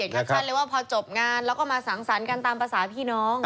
เคี่ยนทันเลยว่าพอจบงานเราก็มาสั่งศรกันตามภาษาพี่น้อง